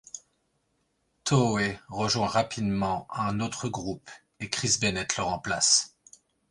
Towe rejoint rapidement un autre groupe et Chris Bennett le remplace.